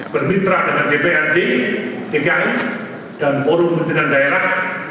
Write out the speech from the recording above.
bermitra dengan dprd dki dan forum menteri dan daerah